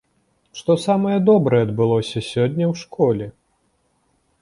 Што самае добрае адбылося сёння ў школе?